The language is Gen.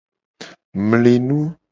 Mli nu.